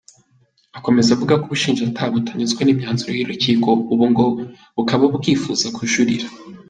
Akomeza avuga ko ubushinjacyaha butanyuzwe n’imyanzuro y’urukiko, ubu ngo bukaba bwifuza kujurira.